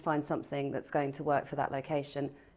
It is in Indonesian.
jadi anda harus menemukan sesuatu yang akan berfungsi untuk lokasi itu